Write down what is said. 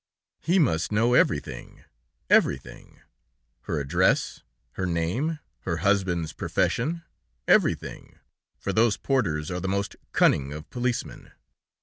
He must know everything, everything! her address, her name, her husband's profession everything, for those porters are the most cunning of policemen!